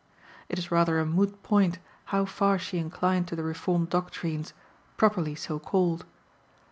It is rather a moot point how far she inclined to the Reformed doctrines, properly so called.